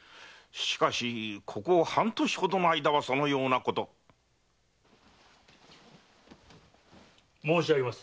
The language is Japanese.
しかしここ半年の間はそのような。申し上げます。